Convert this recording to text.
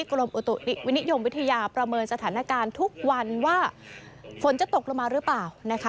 กรมอุตุนิยมวิทยาประเมินสถานการณ์ทุกวันว่าฝนจะตกลงมาหรือเปล่านะคะ